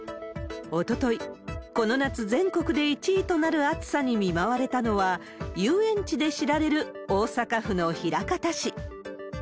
おととい、この夏全国で１位となる暑さに見舞われたのは、遊園地で知られる大阪府の枚方市。